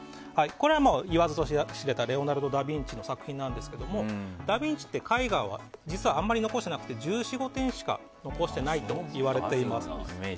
これは言わずと知れたレオナルド・ダヴィンチの作品なんですがダヴィンチって絵画はあまり残していなくて１４１５点しか残してないと言われています。